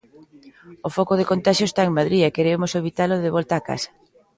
O foco de contaxio está en Madrid e queremos evitalo de volta á casa.